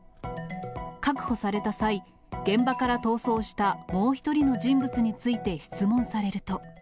確保された際、現場から逃走したもう１人の人物について質問されると。